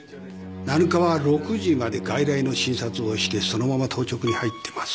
７日は６時まで外来の診察をしてそのまま当直に入ってますね。